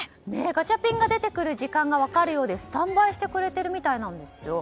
ガチャピンが出てくる時間が分かるようでスタンバイしてくれているみたいなんですよ。